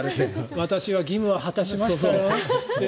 私は義務は果たしましたよって。